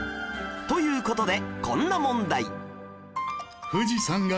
という事でこんな問題